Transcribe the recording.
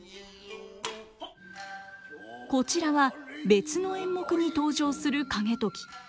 こちらは別の演目に登場する景時。